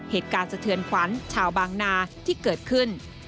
เหตุการณ์สะเทือนขวัญชาวบางนาที่เกิดขึ้น